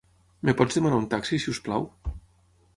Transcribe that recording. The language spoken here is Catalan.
Em pots demanar un taxi si us plau?